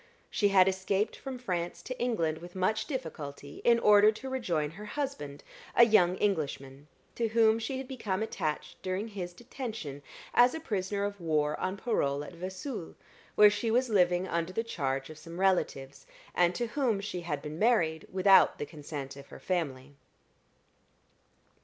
She had escaped from France to England with much difficulty in order to rejoin her husband, a young Englishman, to whom she had become attached during his detention as a prisoner of war on parole at Vesoul, where she was living under the charge of some relatives, and to whom she had been married without the consent of her family.